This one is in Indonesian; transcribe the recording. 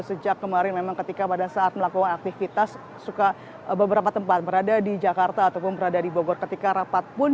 sejak kemarin memang ketika pada saat melakukan aktivitas suka beberapa tempat berada di jakarta ataupun berada di bogor ketika rapat pun